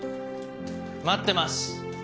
待ってます。